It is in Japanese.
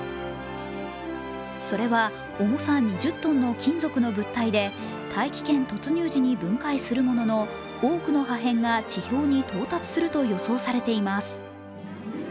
それは重さ２０トンの金属の物体で大気圏突入時に分解するものの多くの破片が地表に到達すると予想されています。